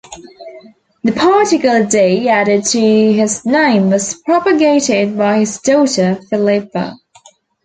The particle "de" added to his name was propagated by his daughter Philippa.